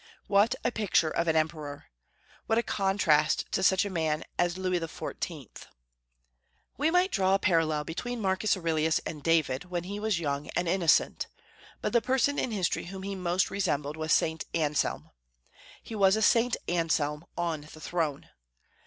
What a picture of an emperor! What a contrast to such a man as Louis XIV! We might draw a parallel between Marcus Aurelius and David, when he was young and innocent. But the person in history whom he most resembled was St. Anselm. He was a St. Anselm on the throne.